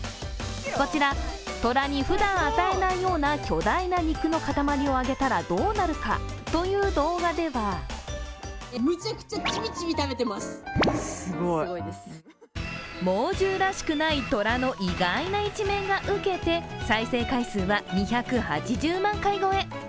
こちら、トラにふだん与えないような巨大な肉の塊を与えたらどうなるかという動画では猛獣らしくない虎の意外な一面が受けて再生回数は２８０万回超え。